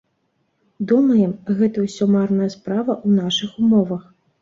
Думаем, гэта ўсё марная справа ў нашых умовах.